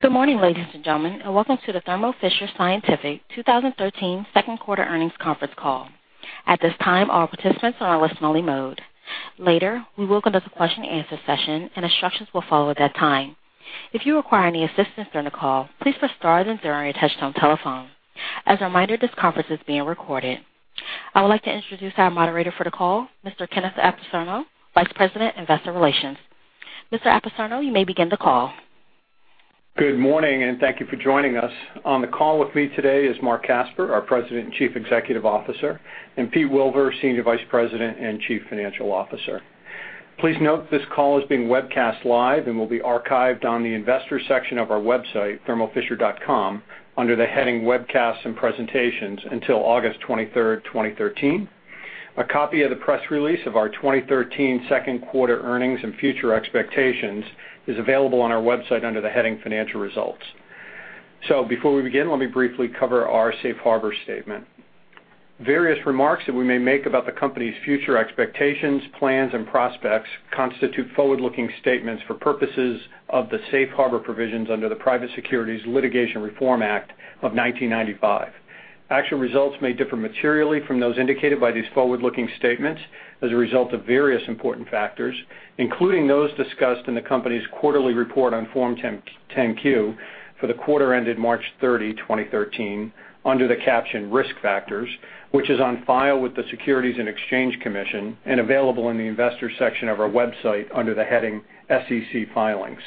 Good morning, ladies and gentlemen, and welcome to the Thermo Fisher Scientific 2013 second quarter earnings conference call. At this time, all participants are on a listen only mode. Later, we will go to the question and answer session, instructions will follow at that time. If you require any assistance during the call, please press star then zero on your touch-tone telephone. As a reminder, this conference is being recorded. I would like to introduce our moderator for the call, Mr. Kenneth Apicerno, Vice President, Investor Relations. Mr. Apicerno, you may begin the call. Good morning, thank you for joining us. On the call with me today is Marc Casper, our President and Chief Executive Officer, and Peter Wilver, Senior Vice President and Chief Financial Officer. Please note this call is being webcast live and will be archived on the investors section of our website, thermofisher.com, under the heading Webcasts and Presentations until August 23, 2013. A copy of the press release of our 2013 second quarter earnings and future expectations is available on our website under the heading Financial Results. Before we begin, let me briefly cover our safe harbor statement. Various remarks that we may make about the company's future expectations, plans, and prospects constitute forward-looking statements for purposes of the safe harbor provisions under the Private Securities Litigation Reform Act of 1995. Actual results may differ materially from those indicated by these forward-looking statements as a result of various important factors, including those discussed in the company's quarterly report on Form 10-Q for the quarter ended March 30, 2013, under the caption Risk Factors, which is on file with the Securities and Exchange Commission and available in the Investors section of our website under the heading SEC Filings.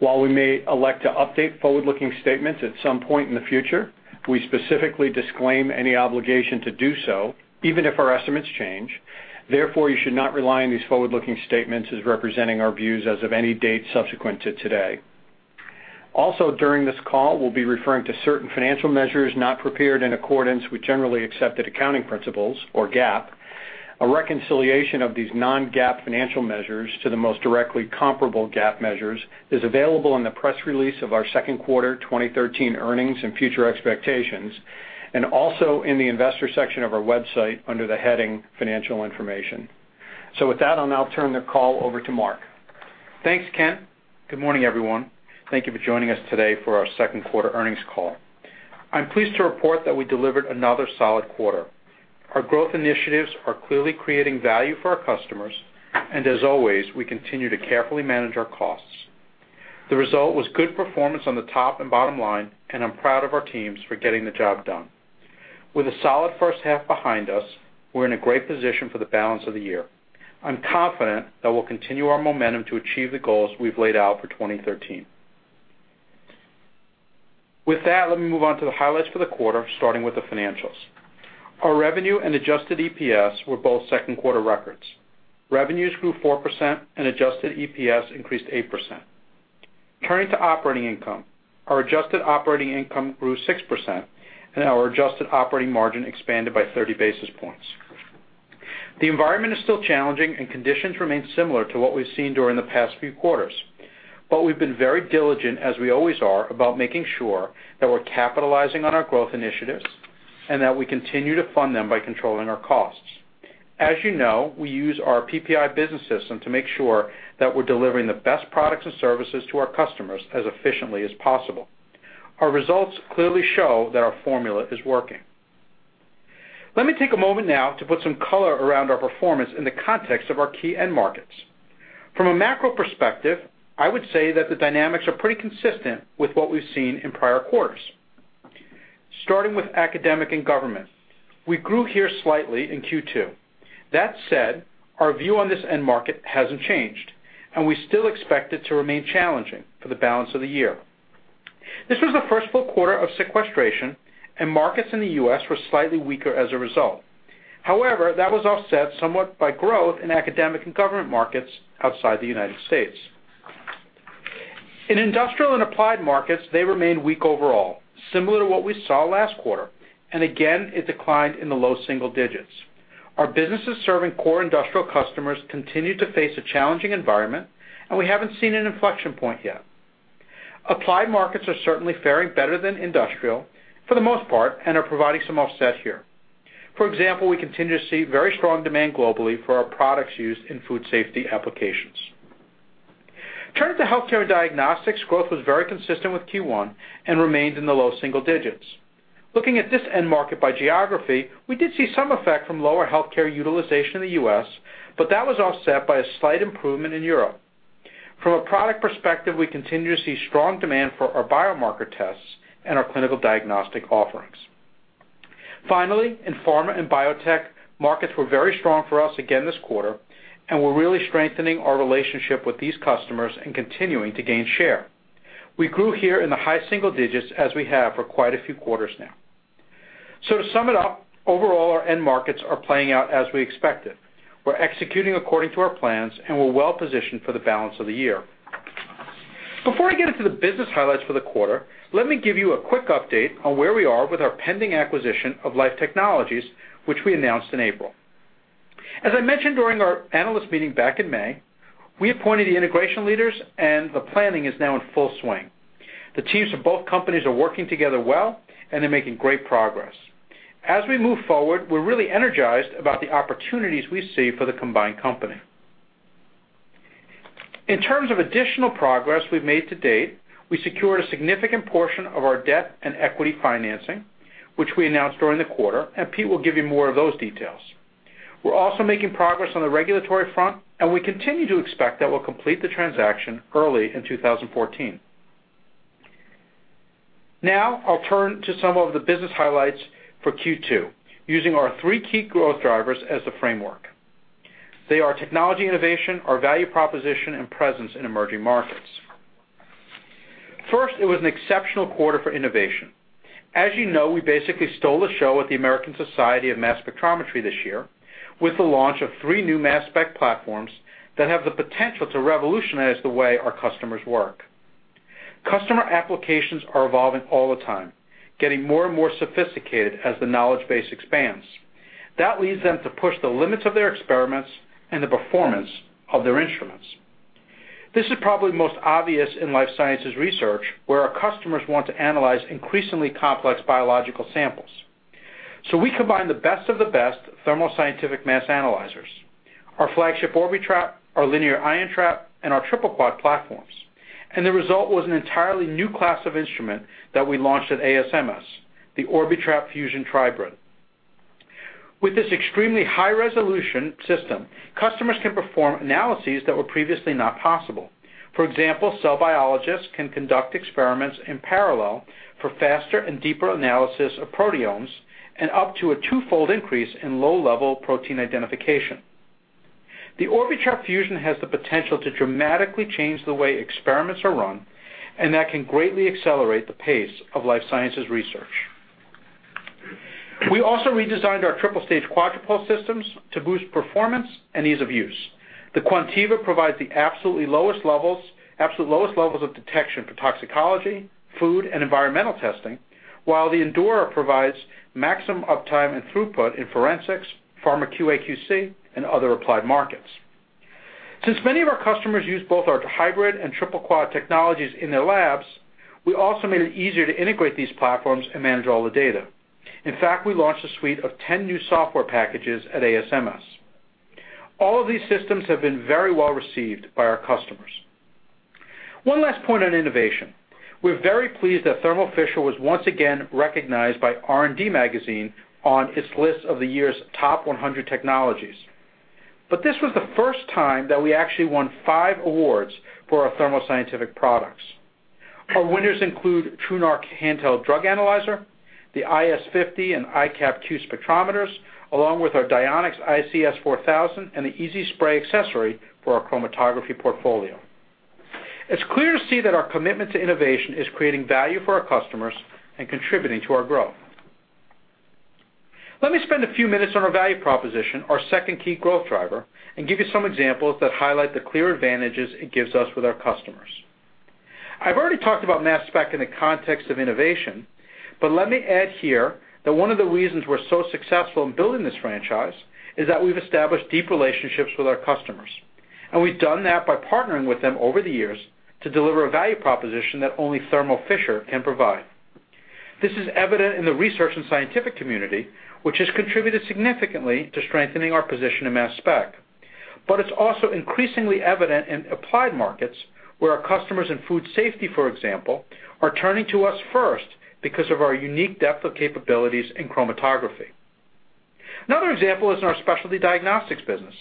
While we may elect to update forward-looking statements at some point in the future, we specifically disclaim any obligation to do so, even if our estimates change. Therefore, you should not rely on these forward-looking statements as representing our views as of any date subsequent to today. During this call, we'll be referring to certain financial measures not prepared in accordance with generally accepted accounting principles or GAAP. A reconciliation of these non-GAAP financial measures to the most directly comparable GAAP measures is available in the press release of our second quarter 2013 earnings and future expectations, and also in the Investor section of our website under the heading Financial Information. With that, I'll now turn the call over to Marc. Thanks, Ken. Good morning, everyone. Thank you for joining us today for our second quarter earnings call. I'm pleased to report that we delivered another solid quarter. Our growth initiatives are clearly creating value for our customers. As always, we continue to carefully manage our costs. The result was good performance on the top and bottom line. I'm proud of our teams for getting the job done. With a solid first half behind us, we're in a great position for the balance of the year. I'm confident that we'll continue our momentum to achieve the goals we've laid out for 2013. With that, let me move on to the highlights for the quarter, starting with the financials. Our revenue and adjusted EPS were both second quarter records. Revenues grew 4% and adjusted EPS increased 8%. Turning to operating income, our adjusted operating income grew 6% and our adjusted operating margin expanded by 30 basis points. The environment is still challenging and conditions remain similar to what we've seen during the past few quarters. We've been very diligent, as we always are, about making sure that we're capitalizing on our growth initiatives and that we continue to fund them by controlling our costs. As you know, we use our PPI business system to make sure that we're delivering the best products and services to our customers as efficiently as possible. Our results clearly show that our formula is working. Let me take a moment now to put some color around our performance in the context of our key end markets. From a macro perspective, I would say that the dynamics are pretty consistent with what we've seen in prior quarters. Starting with academic and government, we grew here slightly in Q2. That said, our view on this end market hasn't changed. We still expect it to remain challenging for the balance of the year. This was the first full quarter of sequestration. Markets in the U.S. were slightly weaker as a result. However, that was offset somewhat by growth in academic and government markets outside the U.S. In industrial and applied markets, they remained weak overall, similar to what we saw last quarter. Again, it declined in the low single digits. Our businesses serving core industrial customers continue to face a challenging environment. We haven't seen an inflection point yet. Applied markets are certainly faring better than industrial for the most part and are providing some offset here. For example, we continue to see very strong demand globally for our products used in food safety applications. Turning to healthcare diagnostics, growth was very consistent with Q1 and remained in the low single digits. Looking at this end market by geography, we did see some effect from lower healthcare utilization in the U.S. That was offset by a slight improvement in Europe. From a product perspective, we continue to see strong demand for our biomarker tests and our clinical diagnostic offerings. Finally, in pharma and biotech, markets were very strong for us again this quarter. We're really strengthening our relationship with these customers and continuing to gain share. We grew here in the high single digits, as we have for quite a few quarters now. To sum it up, overall, our end markets are playing out as we expected. We're executing according to our plans, we're well positioned for the balance of the year. Before I get into the business highlights for the quarter, let me give you a quick update on where we are with our pending acquisition of Life Technologies, which we announced in April. As I mentioned during our analyst meeting back in May, we appointed the integration leaders and the planning is now in full swing. The teams of both companies are working together well and they're making great progress. As we move forward, we're really energized about the opportunities we see for the combined company. In terms of additional progress we've made to date, we secured a significant portion of our debt and equity financing, which we announced during the quarter, and Pete will give you more of those details. We're also making progress on the regulatory front, we continue to expect that we'll complete the transaction early in 2014. I'll turn to some of the business highlights for Q2, using our three key growth drivers as the framework. They are technology innovation, our value proposition, and presence in emerging markets. First, it was an exceptional quarter for innovation. As you know, we basically stole the show at the American Society for Mass Spectrometry this year with the launch of three new mass spec platforms that have the potential to revolutionize the way our customers work. Customer applications are evolving all the time, getting more and more sophisticated as the knowledge base expands. That leads them to push the limits of their experiments and the performance of their instruments. This is probably most obvious in life sciences research, where our customers want to analyze increasingly complex biological samples. We combine the best of the best Thermo Scientific mass analyzers, our flagship Orbitrap, our linear Ion Trap, and our Triple Quad platforms. The result was an entirely new class of instrument that we launched at ASMS, the Orbitrap Fusion Tribrid. With this extremely high-resolution system, customers can perform analyses that were previously not possible. For example, cell biologists can conduct experiments in parallel for faster and deeper analysis of proteomes, and up to a twofold increase in low-level protein identification. The Orbitrap Fusion has the potential to dramatically change the way experiments are run, and that can greatly accelerate the pace of life sciences research. We also redesigned our triple-stage quadrupole systems to boost performance and ease of use. The Quantiva provides the absolute lowest levels of detection for toxicology, food, and environmental testing, while the Endura provides maximum uptime and throughput in forensics, pharma QA/QC, and other applied markets. Since many of our customers use both our hybrid and Triple Quad technologies in their labs, we also made it easier to integrate these platforms and manage all the data. In fact, we launched a suite of 10 new software packages at ASMS. All of these systems have been very well received by our customers. One last point on innovation. We're very pleased that Thermo Fisher was once again recognized by R&D Magazine on its list of the year's top 100 technologies. This was the first time that we actually won five awards for our Thermo Scientific products. Our winners include TruNarc handheld drug analyzer, the iS50 and iCAP Q spectrometers, along with our Dionex ICS-4000, and the EASY-Spray accessory for our chromatography portfolio. It's clear to see that our commitment to innovation is creating value for our customers and contributing to our growth. Let me spend a few minutes on our value proposition, our second key growth driver, and give you some examples that highlight the clear advantages it gives us with our customers. I've already talked about mass spec in the context of innovation, but let me add here that one of the reasons we're so successful in building this franchise is that we've established deep relationships with our customers, and we've done that by partnering with them over the years to deliver a value proposition that only Thermo Fisher can provide. This is evident in the research and scientific community, which has contributed significantly to strengthening our position in mass spec. It's also increasingly evident in applied markets where our customers in food safety, for example, are turning to us first because of our unique depth of capabilities in chromatography. Another example is in our Specialty Diagnostics business.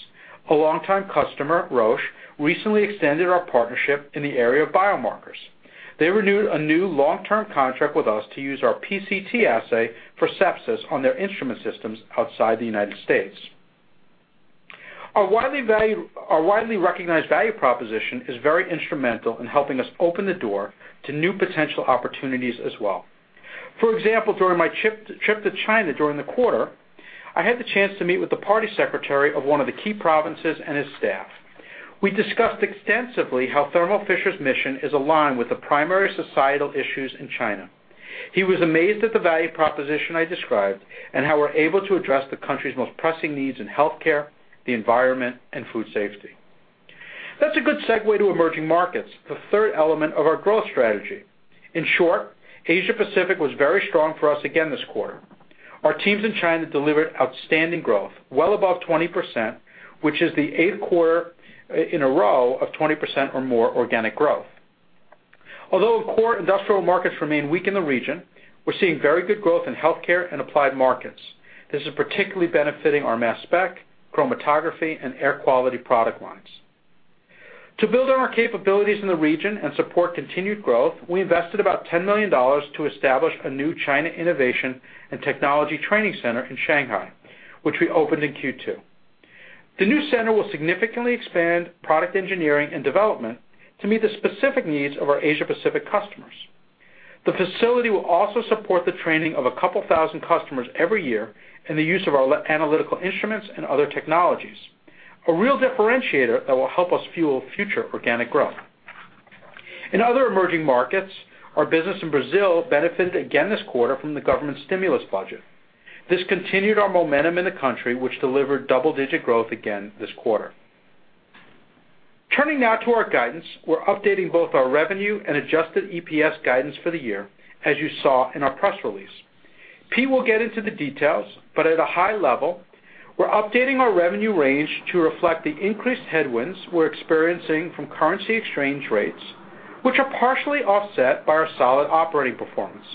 A longtime customer, Roche, recently extended our partnership in the area of biomarkers. They renewed a new long-term contract with us to use our PCT assay for sepsis on their instrument systems outside the U.S. Our widely recognized value proposition is very instrumental in helping us open the door to new potential opportunities as well. For example, during my trip to China during the quarter, I had the chance to meet with the Party Secretary of one of the key provinces and his staff. We discussed extensively how Thermo Fisher's mission is aligned with the primary societal issues in China. He was amazed at the value proposition I described and how we're able to address the country's most pressing needs in healthcare, the environment, and food safety. That's a good segue to emerging markets, the third element of our growth strategy. In short, Asia Pacific was very strong for us again this quarter. Our teams in China delivered outstanding growth, well above 20%, which is the eighth quarter in a row of 20% or more organic growth. Although core industrial markets remain weak in the region, we're seeing very good growth in healthcare and applied markets. This is particularly benefiting our mass spec, chromatography, and air quality product lines. To build on our capabilities in the region and support continued growth, we invested about $10 million to establish a new China Innovation and Technology Training Center in Shanghai, which we opened in Q2. The new center will significantly expand product engineering and development to meet the specific needs of our Asia Pacific customers. The facility will also support the training of a couple thousand customers every year in the use of our analytical instruments and other technologies, a real differentiator that will help us fuel future organic growth. In other emerging markets, our business in Brazil benefited again this quarter from the government stimulus budget. This continued our momentum in the country, which delivered double-digit growth again this quarter. Turning now to our guidance, we're updating both our revenue and adjusted EPS guidance for the year, as you saw in our press release. Pete will get into the details, but at a high level, we're updating our revenue range to reflect the increased headwinds we're experiencing from currency exchange rates, which are partially offset by our solid operating performance.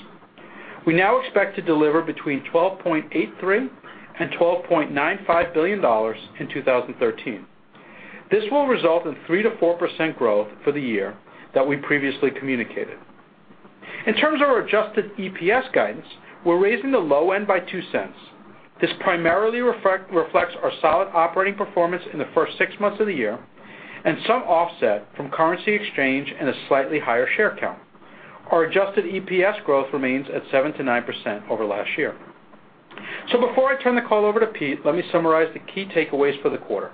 We now expect to deliver between $12.83 billion and $12.95 billion in 2013. This will result in 3%-4% growth for the year that we previously communicated. In terms of our adjusted EPS guidance, we're raising the low end by $0.02. This primarily reflects our solid operating performance in the first six months of the year, and some offset from currency exchange and a slightly higher share count. Our adjusted EPS growth remains at 7%-9% over last year. Before I turn the call over to Pete, let me summarize the key takeaways for the quarter.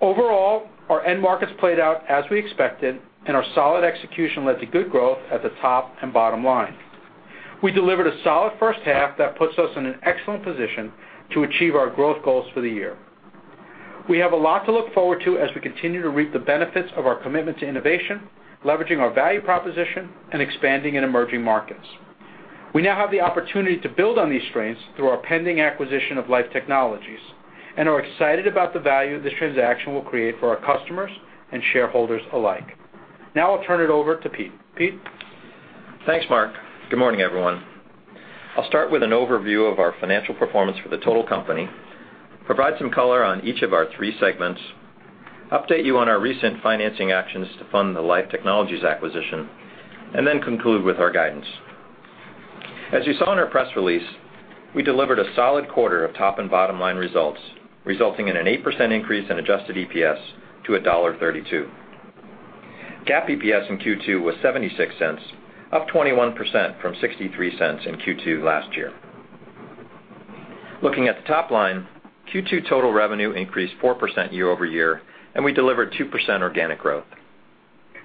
Overall, our end markets played out as we expected, and our solid execution led to good growth at the top and bottom line. We delivered a solid first half that puts us in an excellent position to achieve our growth goals for the year. We have a lot to look forward to as we continue to reap the benefits of our commitment to innovation, leveraging our value proposition, and expanding in emerging markets. We now have the opportunity to build on these strengths through our pending acquisition of Life Technologies and are excited about the value this transaction will create for our customers and shareholders alike. Now I'll turn it over to Pete. Pete? Thanks, Marc. Good morning, everyone. I'll start with an overview of our financial performance for the total company, provide some color on each of our 3 segments, update you on our recent financing actions to fund the Life Technologies acquisition, and then conclude with our guidance. As you saw in our press release, we delivered a solid quarter of top and bottom-line results, resulting in an 8% increase in adjusted EPS to $1.32. GAAP EPS in Q2 was $0.76, up 21% from $0.63 in Q2 last year. Looking at the top line, Q2 total revenue increased 4% year-over-year, and we delivered 2% organic growth.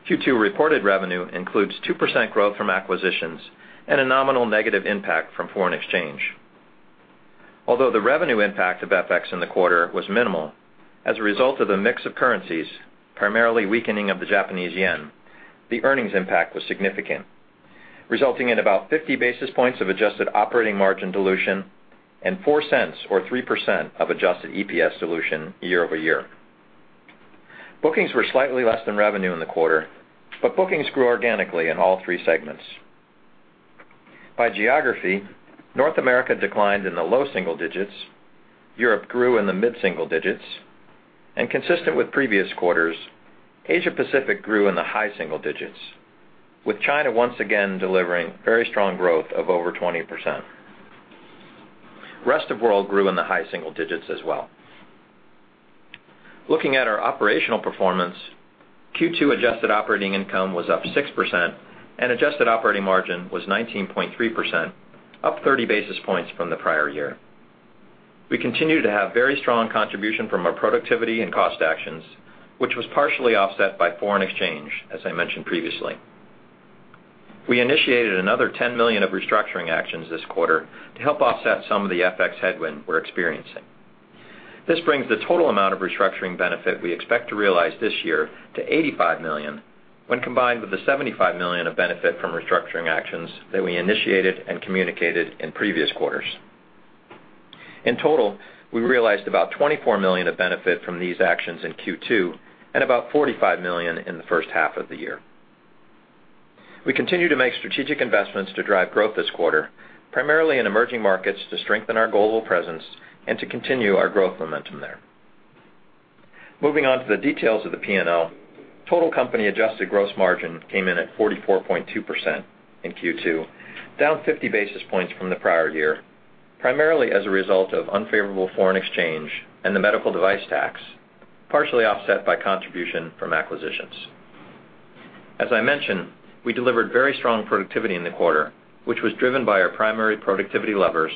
Q2 reported revenue includes 2% growth from acquisitions and a nominal negative impact from foreign exchange. Although the revenue impact of FX in the quarter was minimal, as a result of the mix of currencies, primarily weakening of the JPY, the earnings impact was significant, resulting in about 50 basis points of adjusted operating margin dilution and $0.04 or 3% of adjusted EPS dilution year-over-year. Bookings were slightly less than revenue in the quarter, but bookings grew organically in all 3 segments. By geography, North America declined in the low single digits, Europe grew in the mid-single digits, and consistent with previous quarters, Asia-Pacific grew in the high single digits, with China once again delivering very strong growth of over 20%. Rest of World grew in the high single digits as well. Looking at our operational performance, Q2 adjusted operating income was up 6% and adjusted operating margin was 19.3%, up 30 basis points from the prior year. We continue to have very strong contribution from our productivity and cost actions, which was partially offset by foreign exchange, as I mentioned previously. We initiated another $10 million of restructuring actions this quarter to help offset some of the FX headwind we're experiencing. This brings the total amount of restructuring benefit we expect to realize this year to $85 million, when combined with the $75 million of benefit from restructuring actions that we initiated and communicated in previous quarters. In total, we realized about $24 million of benefit from these actions in Q2 and about $45 million in the first half of the year. We continue to make strategic investments to drive growth this quarter, primarily in emerging markets, to strengthen our global presence and to continue our growth momentum there. Moving on to the details of the P&L. Total company adjusted gross margin came in at 44.2% in Q2, down 50 basis points from the prior year, primarily as a result of unfavorable foreign exchange and the medical device tax, partially offset by contribution from acquisitions. As I mentioned, we delivered very strong productivity in the quarter, which was driven by our primary productivity levers: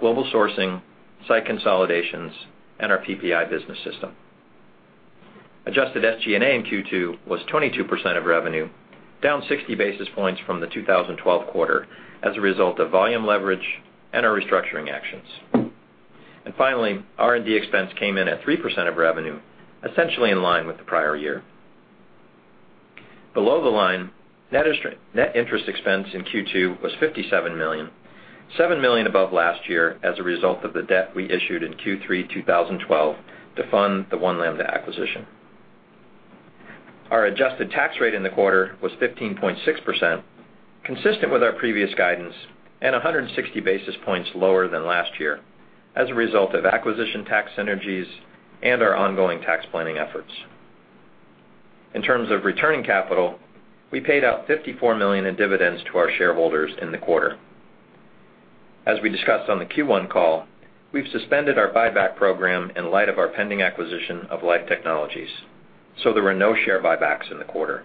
global sourcing, site consolidations, and our PPI business system. Adjusted SG&A in Q2 was 22% of revenue, down 60 basis points from the 2012 quarter as a result of volume leverage and our restructuring actions. Finally, R&D expense came in at 3% of revenue, essentially in line with the prior year. Below the line, net interest expense in Q2 was $57 million, $7 million above last year as a result of the debt we issued in Q3 2012 to fund the One Lambda acquisition. Our adjusted tax rate in the quarter was 15.6%, consistent with our previous guidance and 160 basis points lower than last year as a result of acquisition tax synergies and our ongoing tax planning efforts. In terms of returning capital, we paid out $54 million in dividends to our shareholders in the quarter. As we discussed on the Q1 call, we've suspended our buyback program in light of our pending acquisition of Life Technologies, so there were no share buybacks in the quarter.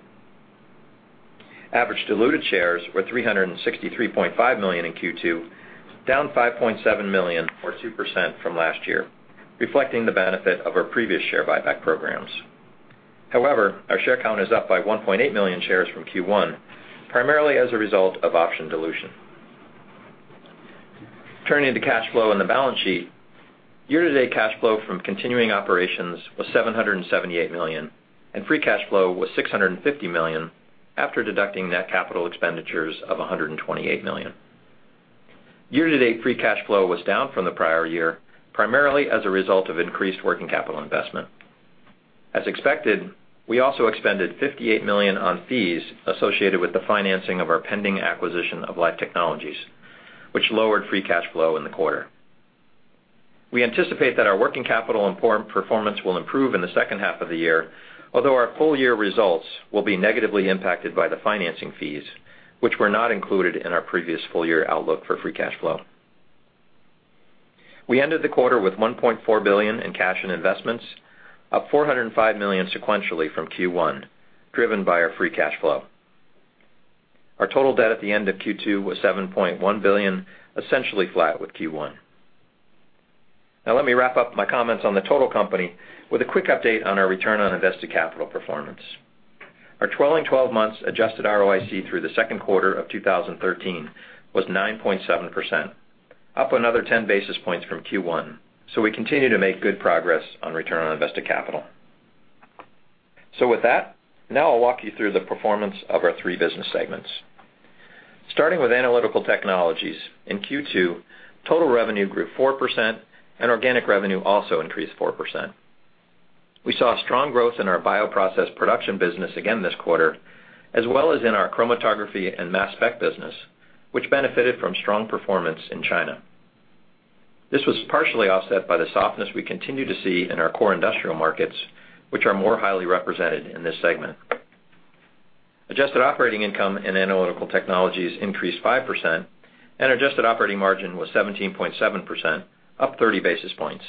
Average diluted shares were 363.5 million in Q2, down 5.7 million or 2% from last year, reflecting the benefit of our previous share buyback programs. However, our share count is up by 1.8 million shares from Q1, primarily as a result of option dilution. Turning to cash flow and the balance sheet Year-to-date cash flow from continuing operations was $778 million, and free cash flow was $650 million after deducting net capital expenditures of $128 million. Year-to-date free cash flow was down from the prior year, primarily as a result of increased working capital investment. As expected, we also expended $58 million on fees associated with the financing of our pending acquisition of Life Technologies, which lowered free cash flow in the quarter. We anticipate that our working capital performance will improve in the second half of the year, although our full-year results will be negatively impacted by the financing fees, which were not included in our previous full-year outlook for free cash flow. We ended the quarter with $1.4 billion in cash and investments, up $405 million sequentially from Q1, driven by our free cash flow. Our total debt at the end of Q2 was $7.1 billion, essentially flat with Q1. Now let me wrap up my comments on the total company with a quick update on our return on invested capital performance. Our trailing 12 months adjusted ROIC through the second quarter of 2013 was 9.7%, up another 10 basis points from Q1. We continue to make good progress on return on invested capital. With that, now I'll walk you through the performance of our three business segments. Starting with Analytical Technologies, in Q2, total revenue grew 4%, and organic revenue also increased 4%. We saw strong growth in our bioprocess production business again this quarter, as well as in our chromatography and mass spec business, which benefited from strong performance in China. This was partially offset by the softness we continue to see in our core industrial markets, which are more highly represented in this segment. Adjusted operating income in Analytical Technologies increased 5%, and adjusted operating margin was 17.7%, up 30 basis points.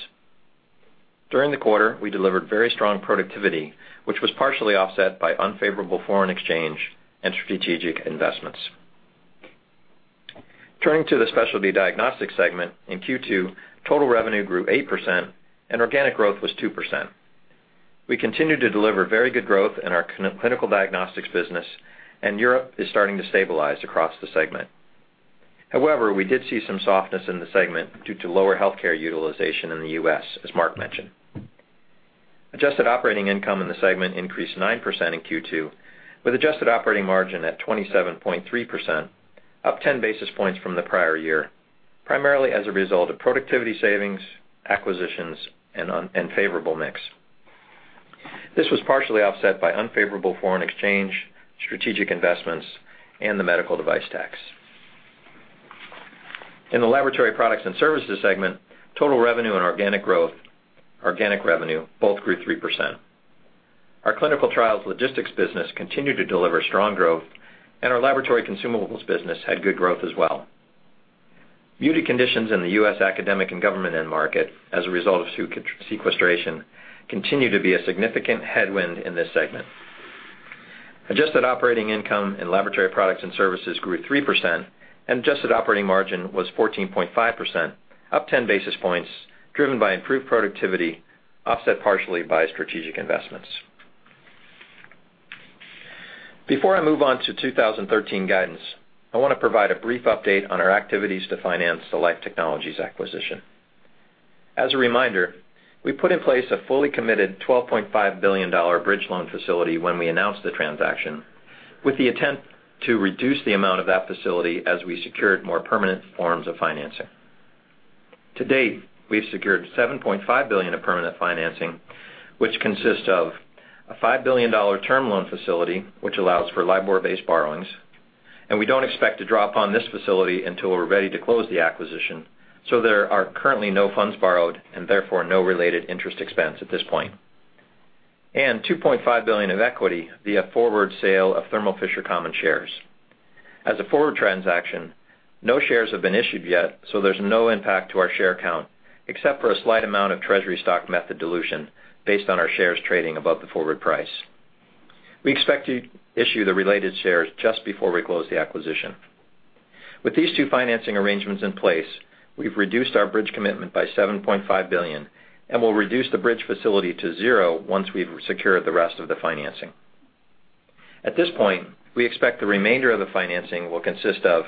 During the quarter, we delivered very strong productivity, which was partially offset by unfavorable foreign exchange and strategic investments. Turning to the Specialty Diagnostics segment, in Q2, total revenue grew 8%, and organic growth was 2%. We continued to deliver very good growth in our clinical diagnostics business, and Europe is starting to stabilize across the segment. However, we did see some softness in the segment due to lower healthcare utilization in the U.S., as Marc mentioned. Adjusted operating income in the segment increased 9% in Q2, with adjusted operating margin at 27.3%, up 10 basis points from the prior year, primarily as a result of productivity savings, acquisitions, and favorable mix. This was partially offset by unfavorable foreign exchange, strategic investments, and the medical device tax. In the Laboratory Products and Services segment, total revenue and organic revenue both grew 3%. Our clinical trials logistics business continued to deliver strong growth, and our laboratory consumables business had good growth as well. Budgetary conditions in the U.S. academic and government end market, as a result of sequestration, continue to be a significant headwind in this segment. Adjusted operating income in Laboratory Products and Services grew 3%, and adjusted operating margin was 14.5%, up 10 basis points, driven by improved productivity, offset partially by strategic investments. Before I move on to 2013 guidance, I want to provide a brief update on our activities to finance the Life Technologies acquisition. As a reminder, we put in place a fully committed $12.5 billion bridge loan facility when we announced the transaction, with the intent to reduce the amount of that facility as we secured more permanent forms of financing. To date, we've secured $7.5 billion of permanent financing, which consists of a $5 billion term loan facility, which allows for LIBOR-based borrowings, and we don't expect to draw upon this facility until we're ready to close the acquisition, so there are currently no funds borrowed and therefore no related interest expense at this point. $2.5 billion of equity via forward sale of Thermo Fisher common shares. As a forward transaction, no shares have been issued yet, there's no impact to our share count, except for a slight amount of treasury stock method dilution based on our shares trading above the forward price. We expect to issue the related shares just before we close the acquisition. With these two financing arrangements in place, we've reduced our bridge commitment by $7.5 billion and will reduce the bridge facility to zero once we've secured the rest of the financing. At this point, we expect the remainder of the financing will consist of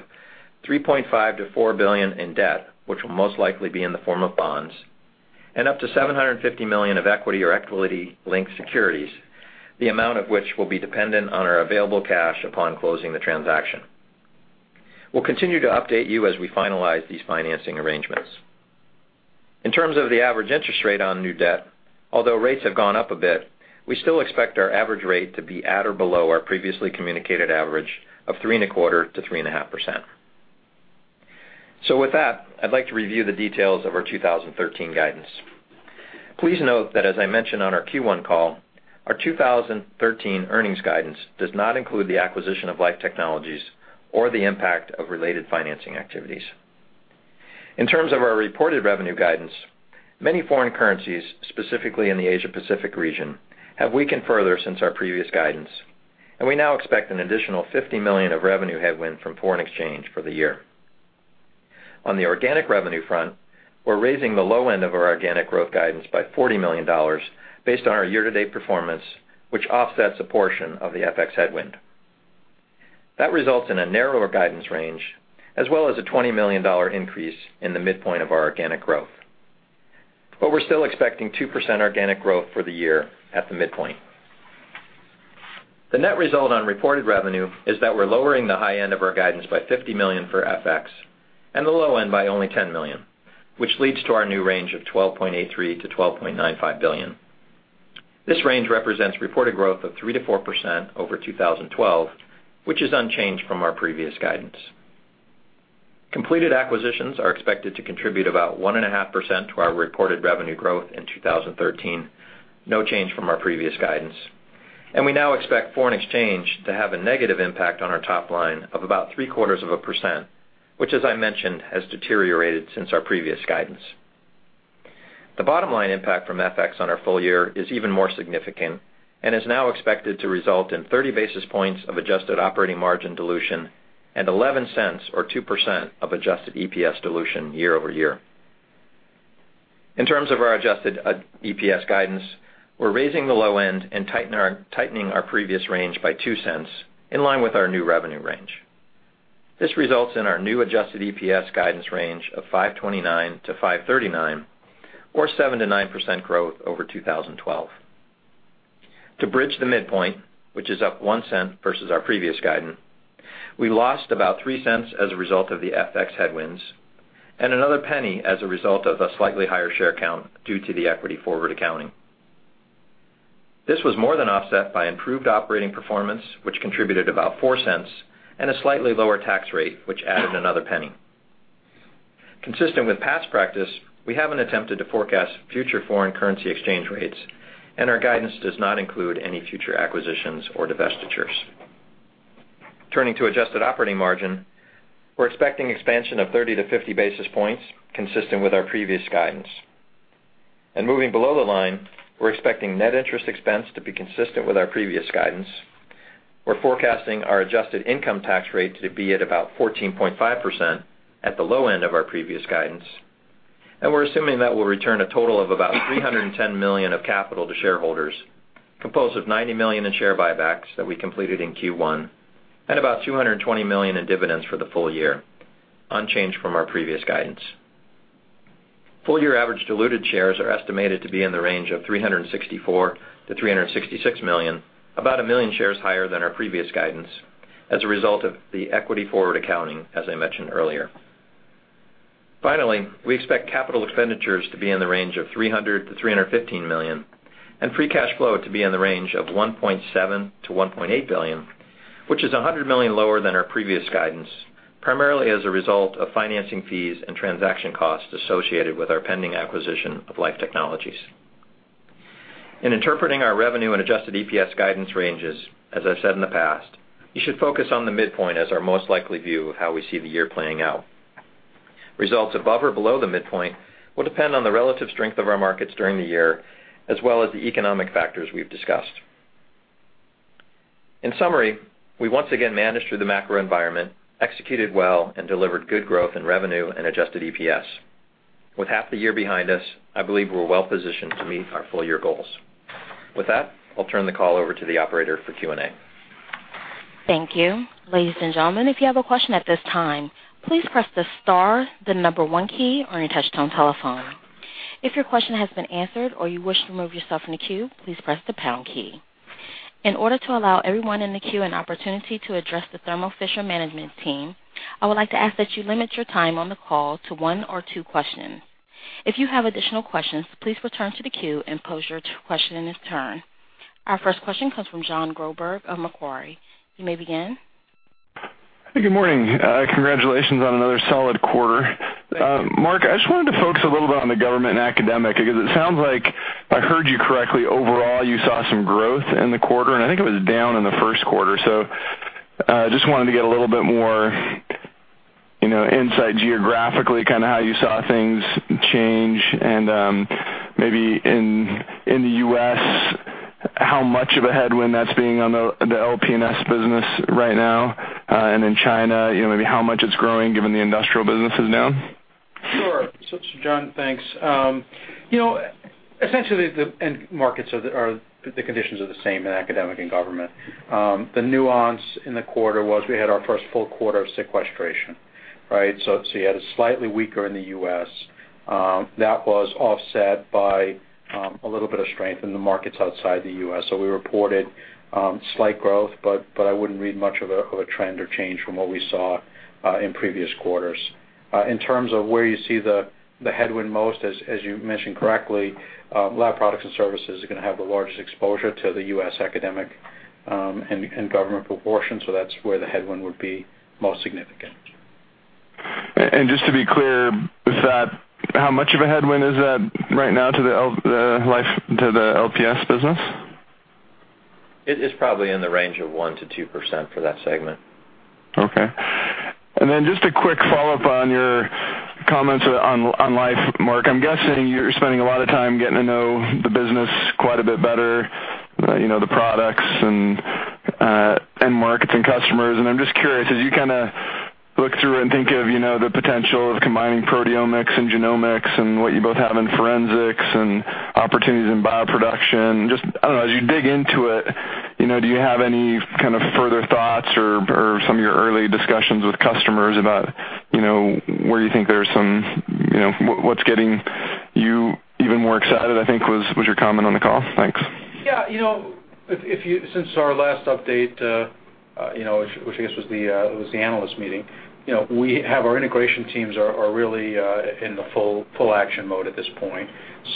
$3.5 billion-$4 billion in debt, which will most likely be in the form of bonds, and up to $750 million of equity or equity-linked securities, the amount of which will be dependent on our available cash upon closing the transaction. We'll continue to update you as we finalize these financing arrangements. In terms of the average interest rate on new debt, although rates have gone up a bit, we still expect our average rate to be at or below our previously communicated average of 3.25%-3.5%. With that, I'd like to review the details of our 2013 guidance. Please note that as I mentioned on our Q1 call, our 2013 earnings guidance does not include the acquisition of Life Technologies or the impact of related financing activities. In terms of our reported revenue guidance, many foreign currencies, specifically in the Asia-Pacific region, have weakened further since our previous guidance, and we now expect an additional $50 million of revenue headwind from foreign exchange for the year. On the organic revenue front, we're raising the low end of our organic growth guidance by $40 million based on our year-to-date performance, which offsets a portion of the FX headwind. That results in a narrower guidance range, as well as a $20 million increase in the midpoint of our organic growth. We're still expecting 2% organic growth for the year at the midpoint. The net result on reported revenue is that we're lowering the high end of our guidance by $50 million for FX, and the low end by only $10 million, which leads to our new range of $12.83 billion-$12.95 billion. This range represents reported growth of 3%-4% over 2012, which is unchanged from our previous guidance. Completed acquisitions are expected to contribute about 1.5% to our reported revenue growth in 2013, no change from our previous guidance. We now expect foreign exchange to have a negative impact on our top line of about 0.75%, which as I mentioned, has deteriorated since our previous guidance. The bottom line impact from FX on our full year is even more significant and is now expected to result in 30 basis points of adjusted operating margin dilution and $0.11 or 2% of adjusted EPS dilution year-over-year. In terms of our adjusted EPS guidance, we're raising the low end and tightening our previous range by $0.02 in line with our new revenue range. This results in our new adjusted EPS guidance range of $5.29-$5.39, or 7%-9% growth over 2012. To bridge the midpoint, which is up $0.01 versus our previous guidance, we lost about $0.03 as a result of the FX headwinds and another $0.01 as a result of a slightly higher share count due to the equity forward accounting. This was more than offset by improved operating performance, which contributed about $0.04, and a slightly lower tax rate, which added another $0.01. Consistent with past practice, we haven't attempted to forecast future foreign currency exchange rates, our guidance does not include any future acquisitions or divestitures. Turning to adjusted operating margin, we're expecting expansion of 30-50 basis points consistent with our previous guidance. Moving below the line, we're expecting net interest expense to be consistent with our previous guidance. We're forecasting our adjusted income tax rate to be at about 14.5% at the low end of our previous guidance, we're assuming that we'll return a total of about $310 million of capital to shareholders, composed of $90 million in share buybacks that we completed in Q1 and about $220 million in dividends for the full year, unchanged from our previous guidance. Full year average diluted shares are estimated to be in the range of 364-366 million, about a million shares higher than our previous guidance as a result of the equity forward accounting, as I mentioned earlier. Finally, we expect capital expenditures to be in the range of $300 million-$315 million and free cash flow to be in the range of $1.7 billion-$1.8 billion, which is $100 million lower than our previous guidance, primarily as a result of financing fees and transaction costs associated with our pending acquisition of Life Technologies. In interpreting our revenue and adjusted EPS guidance ranges, as I've said in the past, you should focus on the midpoint as our most likely view of how we see the year playing out. Results above or below the midpoint will depend on the relative strength of our markets during the year, as well as the economic factors we've discussed. In summary, we once again managed through the macro environment, executed well, and delivered good growth in revenue and adjusted EPS. With half the year behind us, I believe we're well positioned to meet our full-year goals. With that, I'll turn the call over to the operator for Q&A. Thank you. Ladies and gentlemen, if you have a question at this time, please press the star, the number 1 key on your touchtone telephone. If your question has been answered or you wish to remove yourself from the queue, please press the pound key. In order to allow everyone in the queue an opportunity to address the Thermo Fisher management team, I would like to ask that you limit your time on the call to one or two questions. If you have additional questions, please return to the queue and pose your question in its turn. Our first question comes from Jon Groberg of Macquarie. You may begin. Good morning. Congratulations on another solid quarter. Thank you. Marc, I just wanted to focus a little bit on the government and academic, because it sounds like if I heard you correctly, overall, you saw some growth in the quarter, and I think it was down in the first quarter. I just wanted to get a little bit more insight geographically, kind of how you saw things change and maybe in the U.S., how much of a headwind that's being on the LPS business right now, and in China, maybe how much it's growing, given the industrial business is down. Sure. Jon, thanks. Essentially the end markets or the conditions are the same in academic and government. The nuance in the quarter was we had our first full quarter of sequestration, right? You had it slightly weaker in the U.S. That was offset by a little bit of strength in the markets outside the U.S. We reported slight growth, but I wouldn't read much of a trend or change from what we saw in previous quarters. In terms of where you see the headwind most, as you mentioned correctly, Laboratory Products and Services are going to have the largest exposure to the U.S. academic and government proportion. That's where the headwind would be most significant. Just to be clear, how much of a headwind is that right now to the LPS business? It is probably in the range of 1%-2% for that segment. Okay. Then just a quick follow-up on your comments on Life Technologies, Marc. I'm guessing you're spending a lot of time getting to know the business quite a bit better, the products and markets and customers. I'm just curious, as you kind of look through and think of the potential of combining proteomics and genomics and what you both have in forensics and opportunities in bioproduction. Just, I don't know, as you dig into it, do you have any kind of further thoughts or some of your early discussions with customers about what's getting you even more excited, I think was your comment on the call? Thanks. Yeah. Since our last update, which I guess was the analyst meeting, our integration teams are really in the full action mode at this point.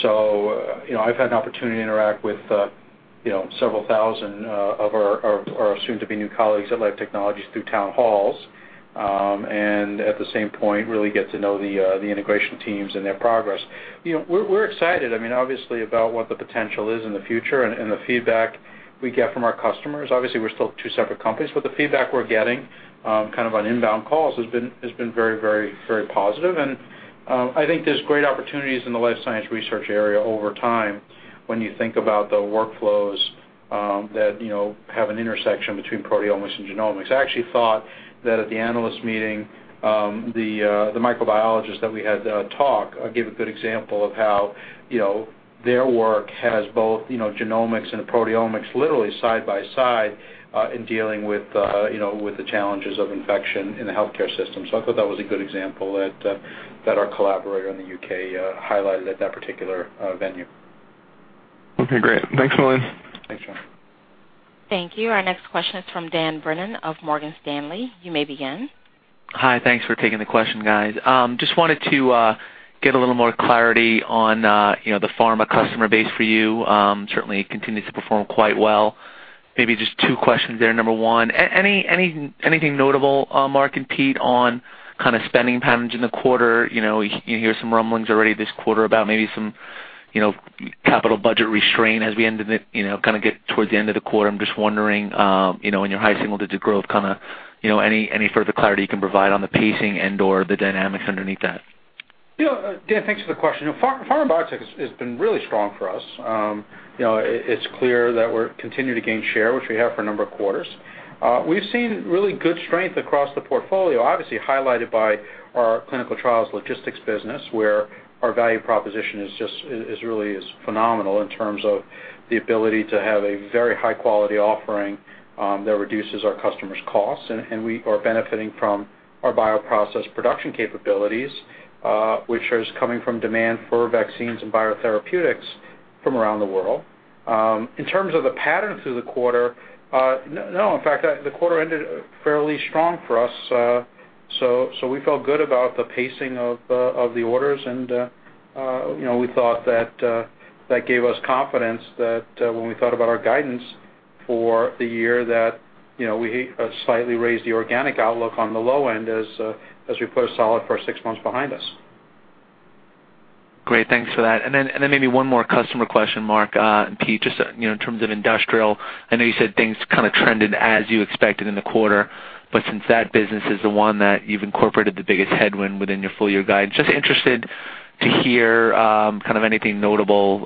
I've had an opportunity to interact with several thousand of our soon-to-be new colleagues at Life Technologies through town halls. At the same point, really get to know the integration teams and their progress. We're excited, obviously, about what the potential is in the future and the feedback we get from our customers. Obviously, we're still two separate companies, but the feedback we're getting on inbound calls has been very positive. I think there's great opportunities in the life science research area over time when you think about the workflows that have an intersection between proteomics and genomics. I actually thought that at the analyst meeting, the microbiologist that we had talk gave a good example of how their work has both genomics and proteomics literally side by side in dealing with the challenges of infection in the healthcare system. I thought that was a good example that our collaborator in the U.K. highlighted at that particular venue. Okay, great. Thanks a million. Thanks, Jon. Thank you. Our next question is from Dan Brennan of Morgan Stanley. You may begin. Hi. Thanks for taking the question, guys. Just wanted to get a little more clarity on the pharma customer base for you. Certainly, it continues to perform quite well. Maybe just two questions there. Number one, anything notable, Marc and Peter, on spending patterns in the quarter? You hear some rumblings already this quarter about maybe some capital budget restraint as we end of it, get towards the end of the quarter. I'm just wondering, in your high single-digit growth, any further clarity you can provide on the pacing and/or the dynamics underneath that? Dan, thanks for the question. Pharma biotech has been really strong for us. It's clear that we're continuing to gain share, which we have for a number of quarters. We've seen really good strength across the portfolio, obviously highlighted by our clinical trials logistics business, where our value proposition really is phenomenal in terms of the ability to have a very high-quality offering that reduces our customers' costs. We are benefiting from our bioprocess production capabilities, which is coming from demand for vaccines and biotherapeutics from around the world. In terms of the pattern through the quarter, no. In fact, the quarter ended fairly strong for us. We felt good about the pacing of the orders, and we thought that that gave us confidence that when we thought about our guidance for the year, that we slightly raised the organic outlook on the low end as we put a solid first six months behind us. Great. Thanks for that. Maybe one more customer question, Marc and Peter, just in terms of industrial. I know you said things trended as you expected in the quarter, but since that business is the one that you've incorporated the biggest headwind within your full-year guide, just interested to hear anything notable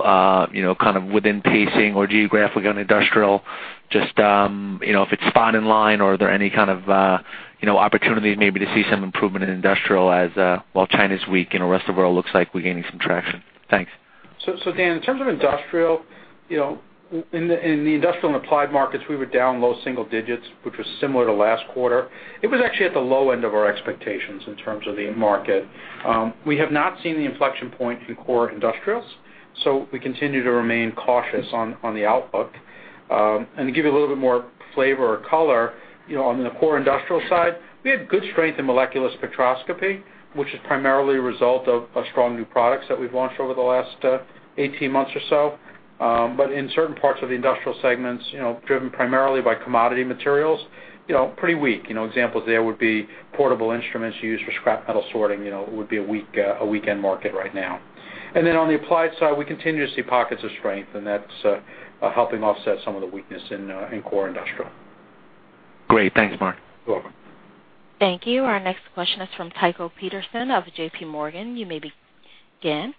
within pacing or geographically on industrial. Just if it's spot in line or are there any kind of opportunities maybe to see some improvement in industrial as while China's weak and the rest of world looks like we're gaining some traction. Thanks. Dan, in terms of industrial, in the industrial and applied markets, we were down low single-digits, which was similar to last quarter. It was actually at the low end of our expectations in terms of the market. We have not seen the inflection point in core industrials, we continue to remain cautious on the outlook. To give you a little bit more flavor or color, on the core industrial side, we had good strength in molecular spectroscopy, which is primarily a result of strong new products that we've launched over the last 18 months or so. In certain parts of the industrial segments, driven primarily by commodity materials, pretty weak. Examples there would be portable instruments used for scrap metal sorting, would be a weak end market right now. On the applied side, we continue to see pockets of strength, and that's helping offset some of the weakness in core industrial. Great. Thanks, Marc. You're welcome. Thank you. Our next question is from Tycho Peterson of JPMorgan. You may begin.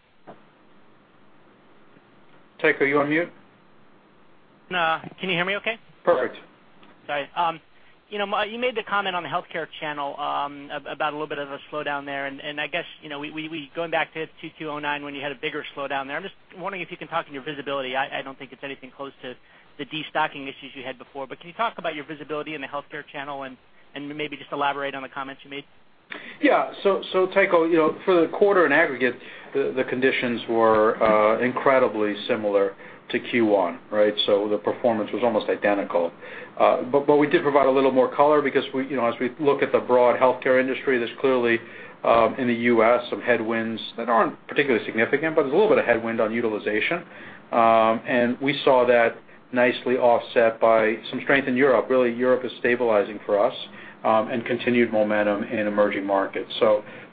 Tycho, are you on mute? No. Can you hear me okay? Perfect. Sorry. You made the comment on the healthcare channel about a little bit of a slowdown there, and I guess, going back to 2Q 2009, when you had a bigger slowdown there, I'm just wondering if you can talk to your visibility. I don't think it's anything close to the destocking issues you had before, but can you talk about your visibility in the healthcare channel and maybe just elaborate on the comments you made? Yeah. Tycho, for the quarter in aggregate, the conditions were incredibly similar to Q1, right? The performance was almost identical. We did provide a little more color because as we look at the broad healthcare industry, there's clearly, in the U.S., some headwinds that aren't particularly significant, but there's a little bit of headwind on utilization. We saw that nicely offset by some strength in Europe. Really, Europe is stabilizing for us, and continued momentum in emerging markets.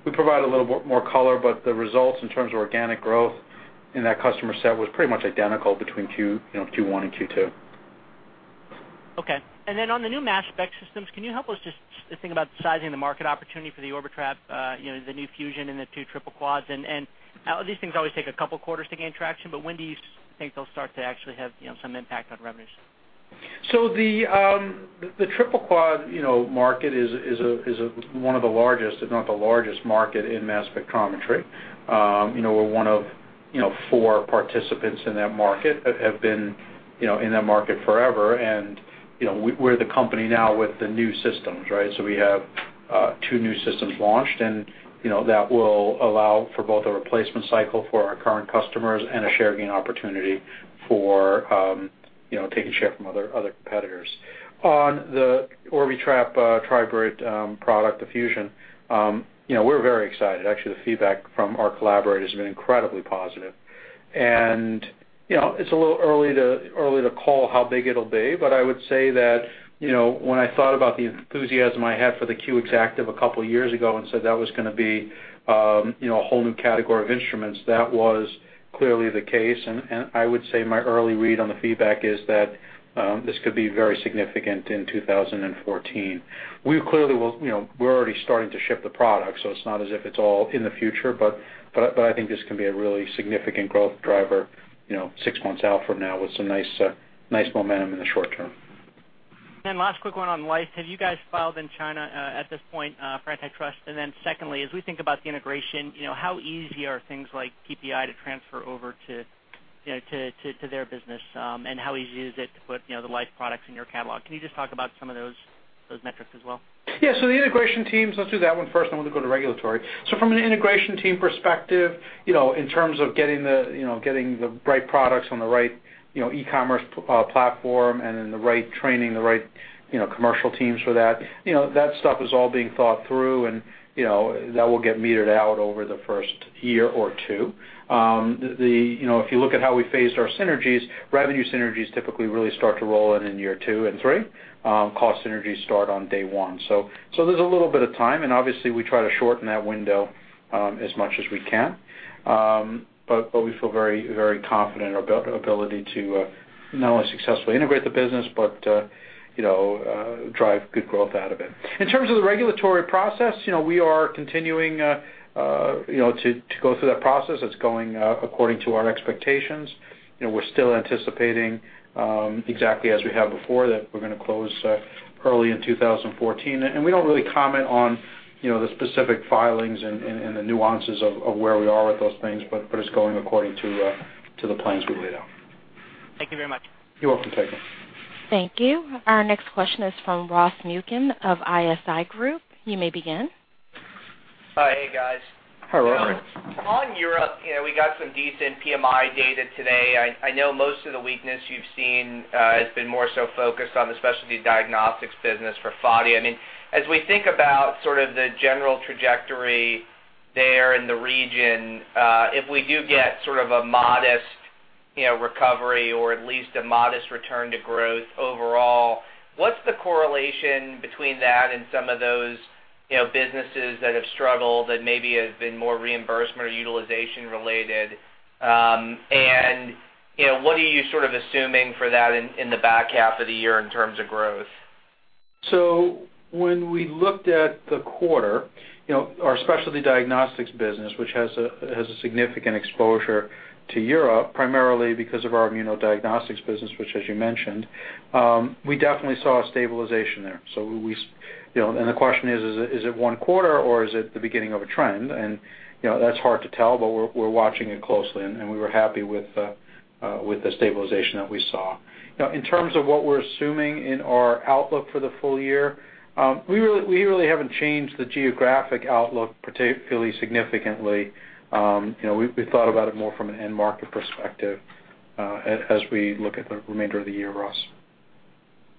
We provide a little bit more color, but the results in terms of organic growth in that customer set was pretty much identical between Q1 and Q2. Okay. Then on the new mass spec systems, can you help us just think about sizing the market opportunity for the Orbitrap, the new Fusion, and the two Triple Quads? These things always take a couple of quarters to gain traction, but when do you think they'll start to actually have some impact on revenues? The Triple Quad market is one of the largest, if not the largest market in mass spectrometry. We're one of four participants in that market that have been in that market forever, and we're the company now with the new systems, right? We have two new systems launched, and that will allow for both a replacement cycle for our current customers and a share gain opportunity for taking share from other competitors. On the Orbitrap Fusion Tribrid product, the Fusion, we're very excited. Actually, the feedback from our collaborators has been incredibly positive. It's a little early to call how big it'll be, but I would say that when I thought about the enthusiasm I had for the Q Exactive a couple of years ago and said that was going to be a whole new category of instruments, that was clearly the case. I would say my early read on the feedback is that this could be very significant in 2014. We're already starting to ship the product, so it's not as if it's all in the future, but I think this can be a really significant growth driver six months out from now with some nice momentum in the short term. Last quick one on Life. Have you guys filed in China at this point for antitrust? Secondly, as we think about the integration, how easy are things like PPI to transfer over to their business, and how easy is it to put the Life products in your catalog? Can you just talk about some of those metrics as well? Yeah. The integration teams, let's do that one first, and then we'll go to regulatory. From an integration team perspective, in terms of getting the right products on the right e-commerce platform and then the right training, the right commercial teams for that stuff is all being thought through, and that will get meted out over the first year or two. If you look at how we phased our synergies, revenue synergies typically really start to roll in in year two and three. Cost synergies start on day one. There's a little bit of time, and obviously, we try to shorten that window as much as we can. We feel very confident in our ability to not only successfully integrate the business but drive good growth out of it. In terms of the regulatory process, we are continuing to go through that process. It's going according to our expectations. We're still anticipating, exactly as we have before, that we're going to close early in 2014. We don't really comment on the specific filings and the nuances of where we are with those things, it's going according to the plans we laid out. Thank you very much. You're welcome, Tycho. Thank you. Our next question is from Ross Muken of ISI Group. You may begin. Hi. Hey, guys. Hi, Ross. On Europe, we got some decent PMI data today. I know most of the weakness you've seen has been more so focused on the Specialty Diagnostics business for Fadi. As we think about sort of the general trajectory there in the region, if we do get sort of a modest recovery or at least a modest return to growth overall, what's the correlation between that and some of those businesses that have struggled that maybe have been more reimbursement or utilization related? What are you sort of assuming for that in the back half of the year in terms of growth? When we looked at the quarter, our Specialty Diagnostics business, which has a significant exposure to Europe, primarily because of our immunodiagnostics business, which as you mentioned, we definitely saw a stabilization there. The question is: Is it one quarter, or is it the beginning of a trend? That's hard to tell, but we're watching it closely, and we were happy with the stabilization that we saw. In terms of what we're assuming in our outlook for the full year, we really haven't changed the geographic outlook particularly significantly. We thought about it more from an end market perspective as we look at the remainder of the year, Ross.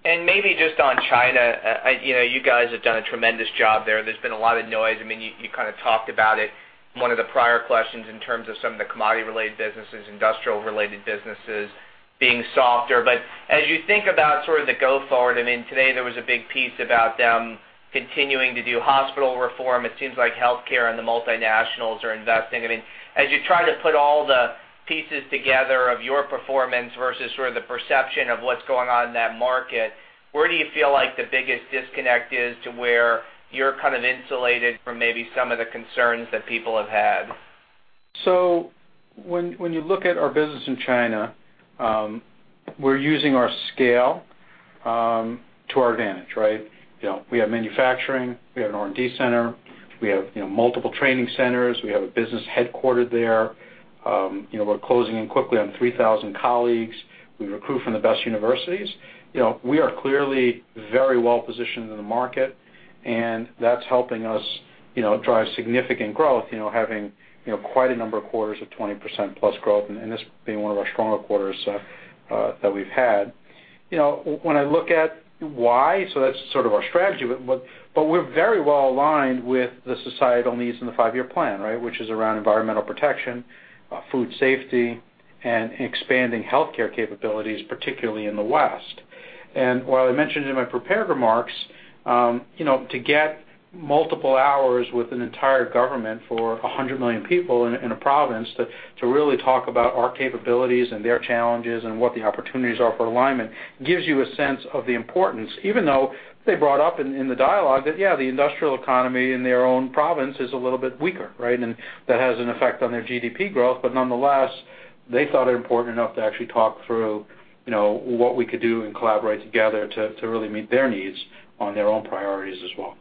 Maybe just on China, you guys have done a tremendous job there. There's been a lot of noise. You kind of talked about it in one of the prior questions in terms of some of the commodity-related businesses, industrial-related businesses being softer. As you think about sort of the go forward, today there was a big piece about them continuing to do hospital reform. It seems like healthcare and the multinationals are investing. As you try to put all the pieces together of your performance versus sort of the perception of what's going on in that market, where do you feel like the biggest disconnect is to where you're kind of insulated from maybe some of the concerns that people have had? When you look at our business in China, we're using our scale to our advantage, right? We have manufacturing, we have an R&D center, we have multiple training centers, we have a business headquartered there. We're closing in quickly on 3,000 colleagues. We recruit from the best universities. We are clearly very well-positioned in the market, and that's helping us drive significant growth, having quite a number of quarters of 20% plus growth, and this being one of our stronger quarters that we've had. When I look at why, so that's sort of our strategy, but we're very well aligned with the societal needs in the five-year plan, right? Which is around environmental protection, food safety, and expanding healthcare capabilities, particularly in the West. While I mentioned in my prepared remarks, to get multiple hours with an entire government for 100 million people in a province to really talk about our capabilities and their challenges and what the opportunities are for alignment gives you a sense of the importance, even though they brought up in the dialogue that, yeah, the industrial economy in their own province is a little bit weaker, right. That has an effect on their GDP growth. Nonetheless, they thought it important enough to actually talk through what we could do and collaborate together to really meet their needs on their own priorities as well.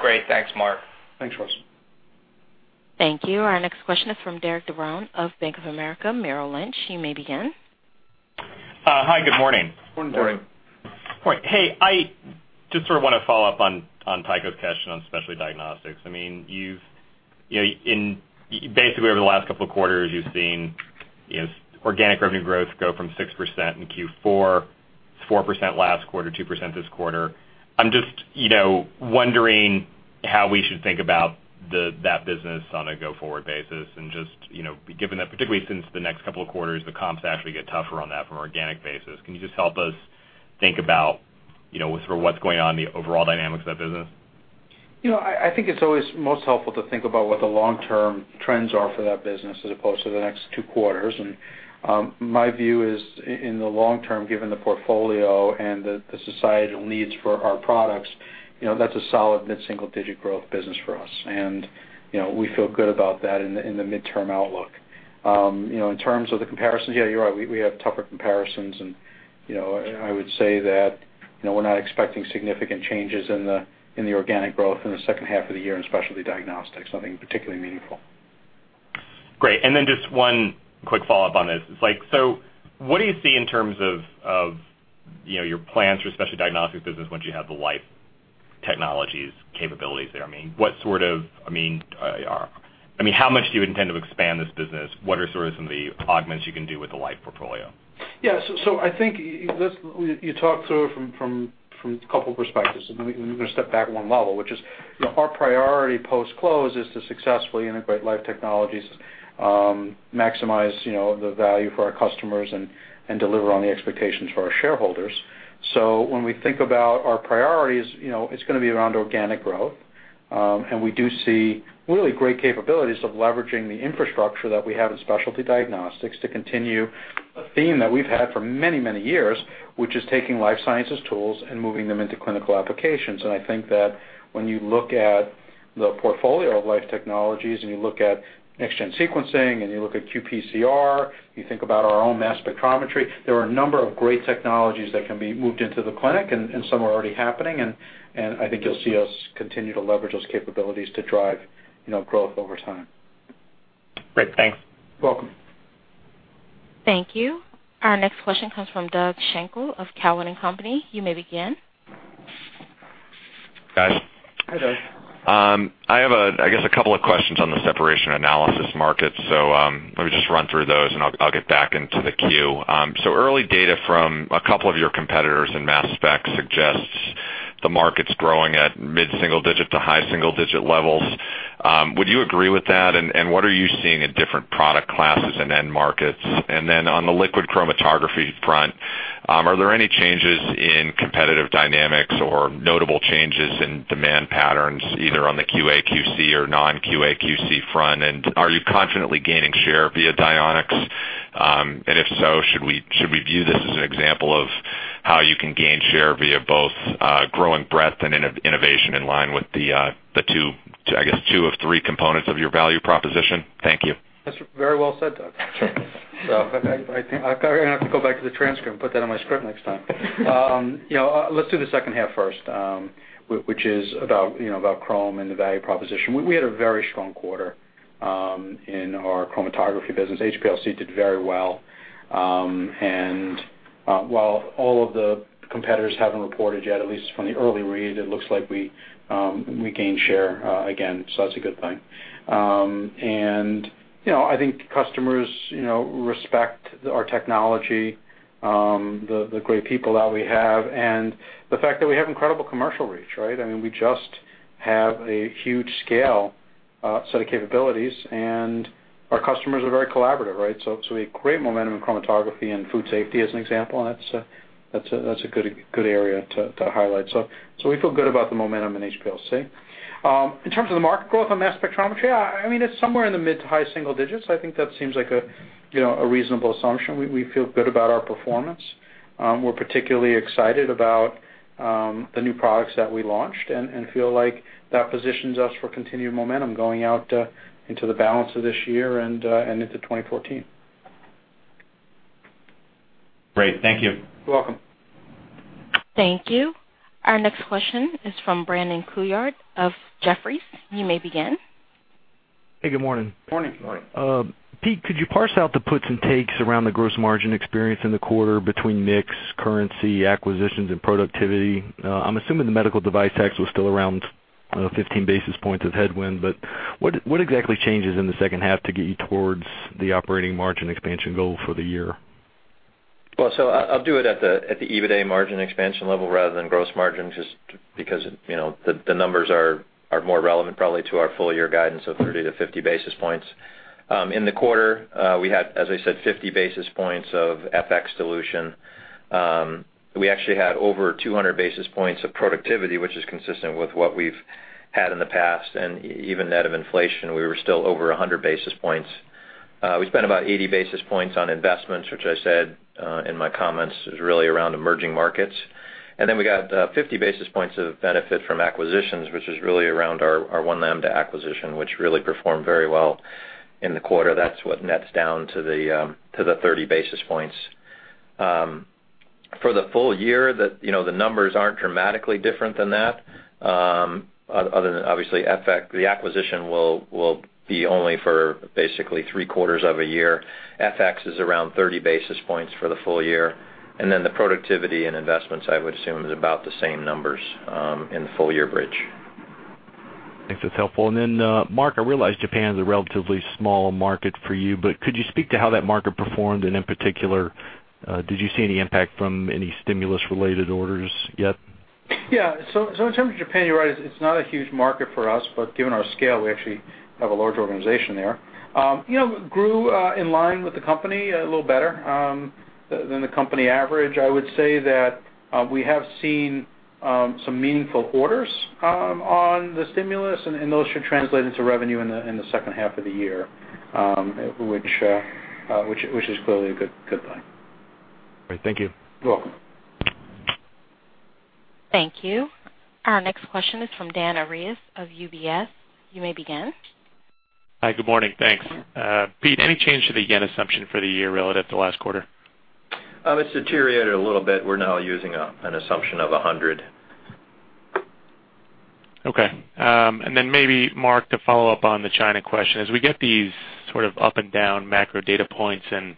Great. Thanks, Marc. Thanks, Ross. Thank you. Our next question is from Derik De Bruin of Bank of America Merrill Lynch. You may begin. Hi, good morning. Morning. Morning. Hey, I just sort of want to follow up on Tycho's question on Specialty Diagnostics. Basically, over the last couple of quarters, you've seen organic revenue growth go from 6% in Q4, 4% last quarter, 2% this quarter. I'm just wondering how we should think about that business on a go-forward basis and just given that particularly since the next couple of quarters, the comps actually get tougher on that from an organic basis. Can you just help us think about what's going on in the overall dynamics of that business? I think it's always most helpful to think about what the long-term trends are for that business as opposed to the next two quarters. My view is, in the long term, given the portfolio and the societal needs for our products, that's a solid mid-single-digit growth business for us. We feel good about that in the midterm outlook. In terms of the comparisons, yeah, you're right. We have tougher comparisons, and I would say that we're not expecting significant changes in the organic growth in the second half of the year in Specialty Diagnostics, nothing particularly meaningful. Great. Just one quick follow-up on this is like, what do you see in terms of your plans for Specialty Diagnostics business once you have the Life Technologies capabilities there? How much do you intend to expand this business? What are some of the augments you can do with the life portfolio? Yeah. I think you talk through it from a couple perspectives, we're going to step back 1 level, which is our priority post-close is to successfully integrate Life Technologies, maximize the value for our customers, and deliver on the expectations for our shareholders. When we think about our priorities, it's going to be around organic growth. We do see really great capabilities of leveraging the infrastructure that we have in Specialty Diagnostics to continue a theme that we've had for many years, which is taking life sciences tools and moving them into clinical applications. I think that when you look at the portfolio of Life Technologies, you look at next-gen sequencing, you look at qPCR, you think about our own mass spectrometry, there are a number of great technologies that can be moved into the clinic, and some are already happening. I think you'll see us continue to leverage those capabilities to drive growth over time. Great. Thanks. Welcome. Thank you. Our next question comes from Doug Schenkel of Cowen and Company. You may begin. Guys. Hi, Doug. I have, I guess, a couple of questions on the separation analysis market. Let me just run through those, and I'll get back into the queue. Early data from a couple of your competitors in mass spec suggests the market's growing at mid-single digit to high single-digit levels. Would you agree with that? What are you seeing in different product classes and end markets? On the liquid chromatography front, are there any changes in competitive dynamics or notable changes in demand patterns, either on the QA/QC or non-QA/QC front? Are you confidently gaining share via Dionex? If so, should we view this as an example of how you can gain share via both growing breadth and innovation in line with the two, I guess, two of three components of your value proposition? Thank you. That's very well said, Doug. Sure. I think I'm going to have to go back to the transcript and put that on my script next time. Let's do the second half first which is about chroma and the value proposition. We had a very strong quarter in our chromatography business. HPLC did very well. While all of the competitors haven't reported yet, at least from the early read, it looks like we gained share again. That's a good thing. I think customers respect our technology, the great people that we have, and the fact that we have incredible commercial reach, right? We just have a huge scale set of capabilities, and our customers are very collaborative, right? We have great momentum in chromatography and food safety as an example, and that's a good area to highlight. We feel good about the momentum in HPLC. In terms of the market growth on mass spectrometry, it's somewhere in the mid to high single digits. I think that seems like a reasonable assumption. We feel good about our performance. We're particularly excited about the new products that we launched and feel like that positions us for continued momentum going out into the balance of this year and into 2014. Great. Thank you. You're welcome. Thank you. Our next question is from Brandon Couillard of Jefferies. You may begin. Hey, good morning. Morning. Morning. Pete, could you parse out the puts and takes around the gross margin experience in the quarter between mix, currency, acquisitions, and productivity? I'm assuming the medical device tax was still around 15 basis points of headwind, but what exactly changes in the second half to get you towards the operating margin expansion goal for the year? I'll do it at the EBITDA margin expansion level rather than gross margin, just because the numbers are more relevant probably to our full-year guidance of 30 to 50 basis points. In the quarter, we had, as I said, 50 basis points of FX dilution. We actually had over 200 basis points of productivity, which is consistent with what we've had in the past. Even net of inflation, we were still over 100 basis points. We spent about 80 basis points on investments, which I said in my comments, is really around emerging markets. We got 50 basis points of benefit from acquisitions, which is really around our One Lambda acquisition, which really performed very well in the quarter. That's what nets down to the 30 basis points. For the full year, the numbers aren't dramatically different than that. Other than obviously, the acquisition will be only for basically three quarters of a year. FX is around 30 basis points for the full year. The productivity and investments, I would assume, is about the same numbers in the full year bridge. Think that's helpful. Marc, I realize Japan's a relatively small market for you, but could you speak to how that market performed, and in particular, did you see any impact from any stimulus-related orders yet? In terms of Japan, you're right, it's not a huge market for us, but given our scale, we actually have a large organization there. Grew in line with the company, a little better than the company average. I would say that we have seen some meaningful orders on the stimulus, and those should translate into revenue in the second half of the year, which is clearly a good thing. Great. Thank you. You're welcome. Thank you. Our next question is from Dan Arias of UBS. You may begin. Hi. Good morning. Thanks. Pete, any change to the yen assumption for the year relative to last quarter? It's deteriorated a little bit. We're now using an assumption of 100. Okay. Maybe Marc, to follow up on the China question, as we get these sort of up and down macro data points and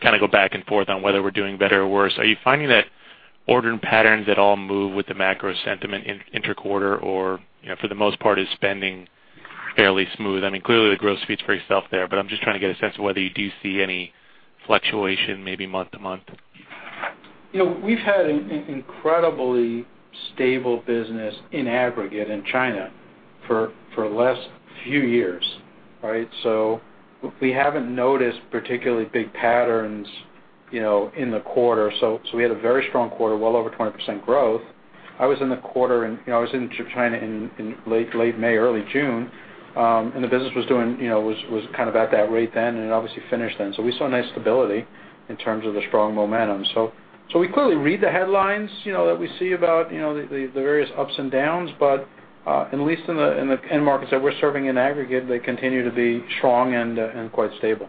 kind of go back and forth on whether we're doing better or worse, are you finding that ordering patterns at all move with the macro sentiment inter-quarter or for the most part, is spending fairly smooth? Clearly, the growth speaks for yourself there, but I'm just trying to get a sense of whether you do see any fluctuation, maybe month to month. We've had an incredibly stable business in aggregate in China for the last few years, right? We haven't noticed particularly big patterns in the quarter. We had a very strong quarter, well over 20% growth. I was in China in late May, early June, and the business was kind of at that rate then, and it obviously finished then. We saw nice stability in terms of the strong momentum. We clearly read the headlines that we see about the various ups and downs, but at least in the end markets that we're serving in aggregate, they continue to be strong and quite stable.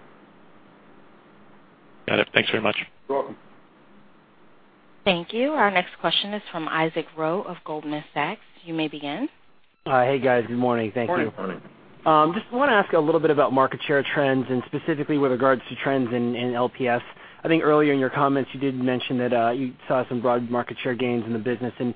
Got it. Thanks very much. You're welcome. Thank you. Our next question is from Isaac Ro of Goldman Sachs. You may begin. Hi, guys. Good morning. Thank you. Morning. Morning. Just want to ask a little bit about market share trends and specifically with regards to trends in LPS. I think earlier in your comments, you did mention that you saw some broad market share gains in the business, and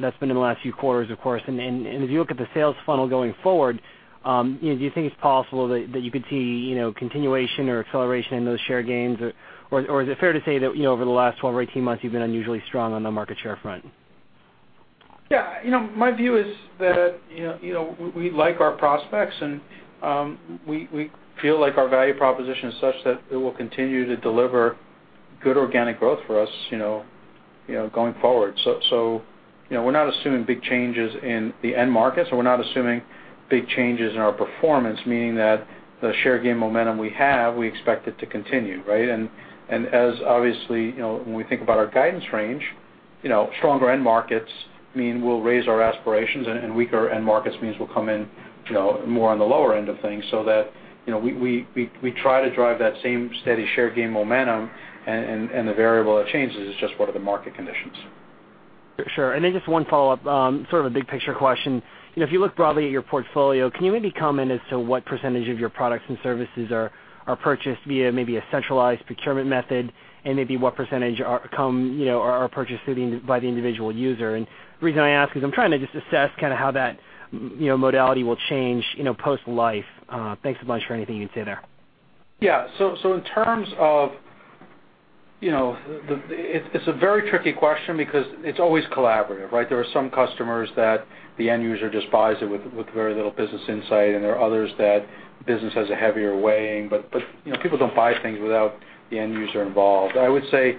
that's been in the last few quarters, of course. If you look at the sales funnel going forward, do you think it's possible that you could see continuation or acceleration in those share gains? Is it fair to say that over the last 12 or 18 months, you've been unusually strong on the market share front? Yeah. My view is that we like our prospects, and we feel like our value proposition is such that it will continue to deliver good organic growth for us going forward. We're not assuming big changes in the end markets, and we're not assuming big changes in our performance, meaning that the share gain momentum we have, we expect it to continue, right? As, obviously, when we think about our guidance range, stronger end markets mean we'll raise our aspirations, and weaker end markets means we'll come in more on the lower end of things, so that we try to drive that same steady share gain momentum, and the variable that changes is just what are the market conditions. Sure. Just one follow-up, sort of a big picture question. If you look broadly at your portfolio, can you maybe comment as to what % of your products and services are purchased via maybe a centralized procurement method, and maybe what % are purchased by the individual user? The reason I ask is I'm trying to just assess how that modality will change post-Life. Thanks a bunch for anything you can say there. Yeah. It's a very tricky question because it's always collaborative, right? There are some customers that the end user just buys it with very little business insight, and there are others that business has a heavier weighing. People don't buy things without the end user involved. I would say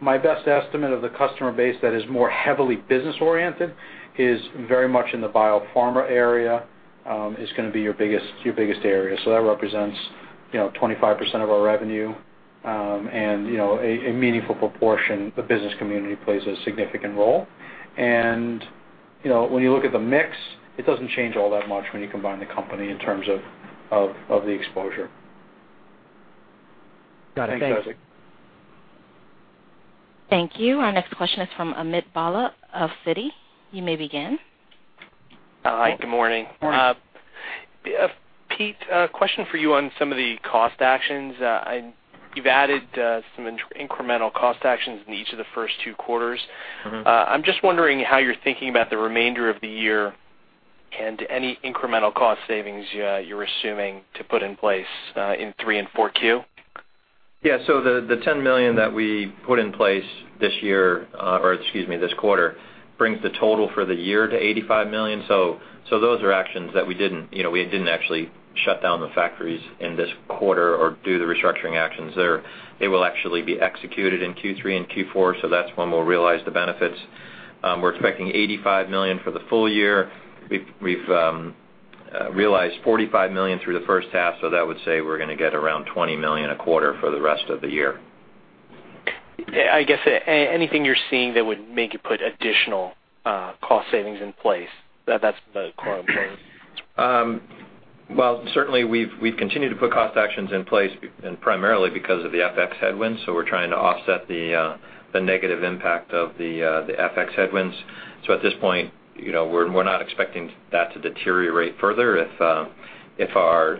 my best estimate of the customer base that is more heavily business-oriented is very much in the biopharma area, is going to be your biggest area. That represents 25% of our revenue. A meaningful proportion, the business community plays a significant role. When you look at the mix, it doesn't change all that much when you combine the company in terms of the exposure. Got it. Thanks. Thanks, Isaac. Thank you. Our next question is from Amit Bhalla of Citi. You may begin. Hi. Good morning. Morning. Pete, a question for you on some of the cost actions. You've added some incremental cost actions in each of the first two quarters. I'm just wondering how you're thinking about the remainder of the year and any incremental cost savings you're assuming to put in place in three and 4Q. Yeah. The $10 million that we put in place this quarter brings the total for the year to $85 million. Those are actions that we didn't actually shut down the factories in this quarter or do the restructuring actions there. They will actually be executed in Q3 and Q4, so that's when we'll realize the benefits. We're expecting $85 million for the full year. We've realized $45 million through the first half, so that would say we're going to get around $20 million a quarter for the rest of the year. I guess anything you're seeing that would make you put additional cost savings in place? That's the core of the- Well, certainly, we've continued to put cost actions in place primarily because of the FX headwinds, so we're trying to offset the negative impact of the FX headwinds. At this point, we're not expecting that to deteriorate further. If our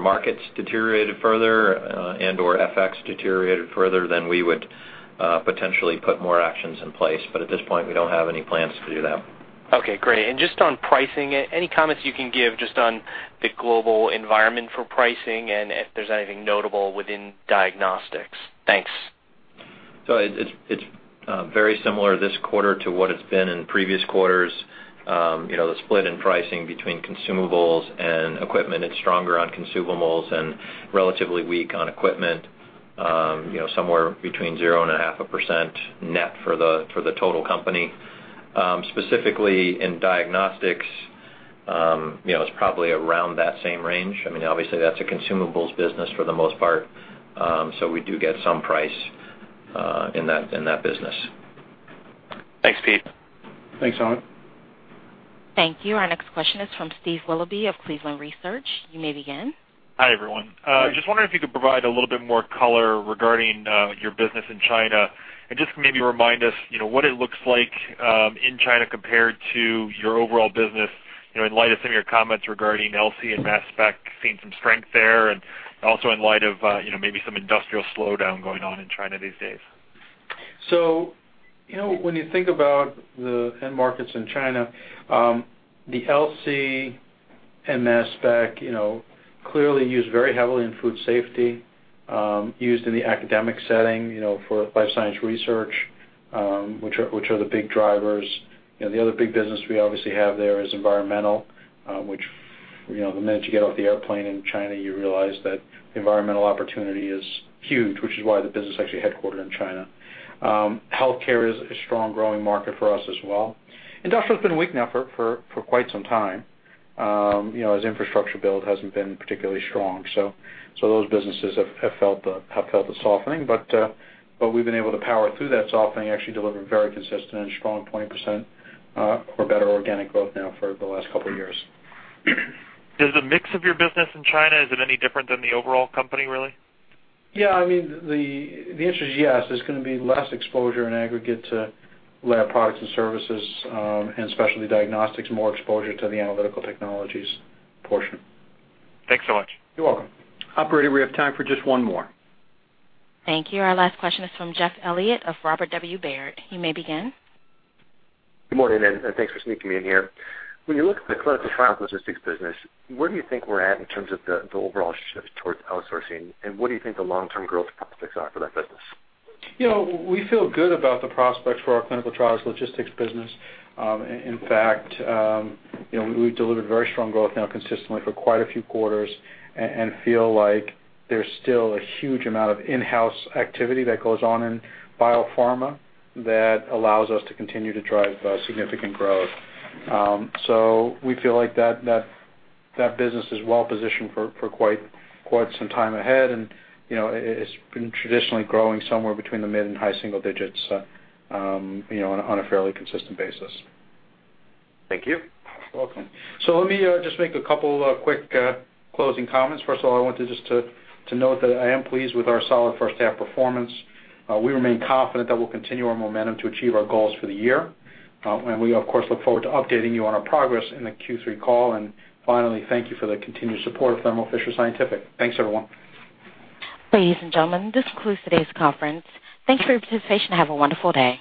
markets deteriorated further and/or FX deteriorated further, then we would potentially put more actions in place. At this point, we don't have any plans to do that. Okay, great. Just on pricing, any comments you can give just on the global environment for pricing and if there's anything notable within diagnostics? Thanks. It's very similar this quarter to what it's been in previous quarters. The split in pricing between consumables and equipment, it's stronger on consumables and relatively weak on equipment, somewhere between 0% and 0.5% net for the total company. Specifically in diagnostics, it's probably around that same range. Obviously, that's a consumables business for the most part, so we do get some price in that business. Thanks, Pete. Thanks, Amit. Thank you. Our next question is from Steve Willoughby of Cleveland Research. You may begin. Hi, everyone. Just wondering if you could provide a little bit more color regarding your business in China and just maybe remind us what it looks like in China compared to your overall business, in light of some of your comments regarding LC and mass spec seeing some strength there, and also in light of maybe some industrial slowdown going on in China these days. When you think about the end markets in China, the LC and mass spec clearly used very heavily in food safety, used in the academic setting for life science research, which are the big drivers. The other big business we obviously have there is environmental, which the minute you get off the airplane in China, you realize that the environmental opportunity is huge, which is why the business is actually headquartered in China. Healthcare is a strong growing market for us as well. Industrial's been weak now for quite some time as infrastructure build hasn't been particularly strong. Those businesses have felt the softening. We've been able to power through that softening, actually deliver very consistent and strong 20% or better organic growth now for the last couple of years. Does the mix of your business in China, is it any different than the overall company, really? Yeah, the answer is yes. There's going to be less exposure in aggregate to Laboratory Products and Services, and Specialty Diagnostics, more exposure to the Analytical Technologies portion. Thanks so much. You're welcome. Operator, we have time for just one more. Thank you. Our last question is from Jeff Elliott of Robert W. Baird. You may begin. Good morning, and thanks for sneaking me in here. When you look at the clinical trial logistics business, where do you think we're at in terms of the overall shift towards outsourcing, and what do you think the long-term growth prospects are for that business? We feel good about the prospects for our clinical trials logistics business. In fact, we've delivered very strong growth now consistently for quite a few quarters and feel like there's still a huge amount of in-house activity that goes on in biopharma that allows us to continue to drive significant growth. We feel like that business is well positioned for quite some time ahead, and it's been traditionally growing somewhere between the mid and high single digits on a fairly consistent basis. Thank you. You're welcome. Let me just make a couple of quick closing comments. First of all, I wanted just to note that I am pleased with our solid first half performance. We remain confident that we'll continue our momentum to achieve our goals for the year. We, of course, look forward to updating you on our progress in the Q3 call. Finally, thank you for the continued support of Thermo Fisher Scientific. Thanks, everyone. Ladies and gentlemen, this concludes today's conference. Thank you for your participation and have a wonderful day.